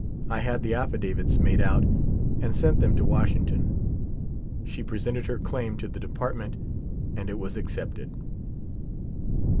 I had the aflSdavits made out, and sent them to Washington. She presented her claim to Iphe Department, and it was accepted.